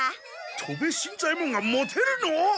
戸部新左ヱ門がモテるの？